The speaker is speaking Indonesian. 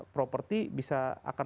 properti bisa akan